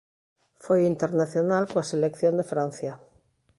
Foi internacional coa selección de Francia.